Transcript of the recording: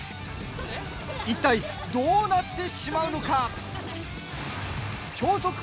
いったいどうなってしまうのか。